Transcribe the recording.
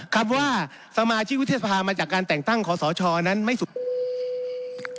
คำว่าสมาชิกวุฒิสภามาจากการแต่งตั้งขอสชนั้นไม่สุข